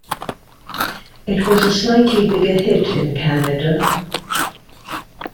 It was a slightly bigger hit in Canada.